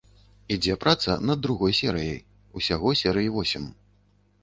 Ідзе праца над другой серыяй, усяго серый восем.